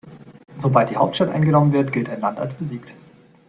Sobald die Hauptstadt eingenommen wird, gilt ein Land als besiegt.